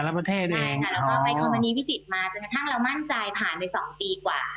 แล้วก็ไปคอมมณีวิสิตมาจนกระทั่งเรามั่นใจผ่านไป๒ปีกว่า